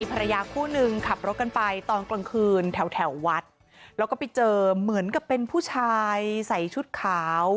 ภรรยาคู่นึงขับรถกันไปตอนกลางคืนแถวแถววัดแล้วก็ไปเจอเหมือนกับเป็นผู้ชายใส่ชุดขาว